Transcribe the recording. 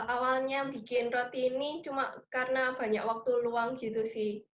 awalnya bikin roti ini cuma karena banyak waktu luang gitu sih